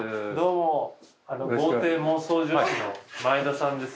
前田さん